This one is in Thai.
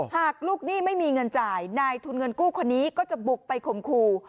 หากลูกหนี้ไม่มีเงินจ่ายนายทุนเงินกู้คนนี้ก็จะบุกไปข่มขู่